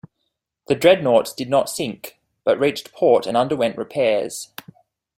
The dreadnoughts did not sink, but reached port and underwent repairs.